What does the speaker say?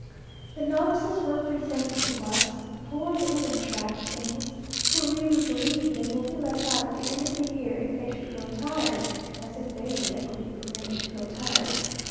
The novices were presented to us poor little entrapped things! who really believe they will be let out at the end of the year if they should grow tired, as if they would ever be permitted to grow tired!